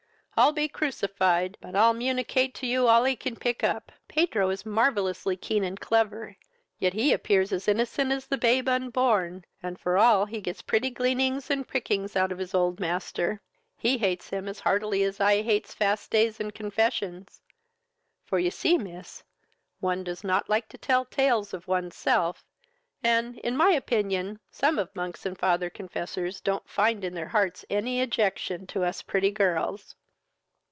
I'll be crucified but I'll municate to you all I can pick up. Pedro is marvelly keen and clever, yet he appears as innocent as the babe unborn, and for all he gets pretty gleanings and pickings out of his old master, he hates him as heartily as I hates fast days and confessions; for you see, miss, one does not like to tell tales of oneself, and, in my opinion, some of monks and father confessors don't find in their hearts any ejection to us pretty girls."